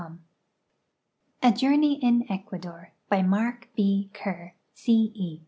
A JOURNEY IN ECUADOR By Mark B. Kerr, C. E.